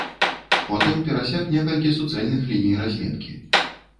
Потым перасек некалькі суцэльных ліній разметкі.